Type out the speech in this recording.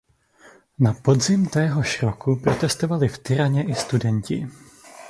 Na podzim téhož roku protestovali v Tiraně i studenti.